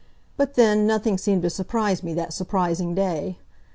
But then, nothing seemed to surprise me that surprising day.